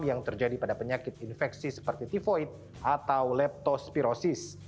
yang terjadi pada penyakit infeksi seperti tivoid atau leptospirosis